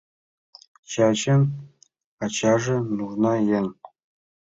Чачин ачаже — нужна еҥ.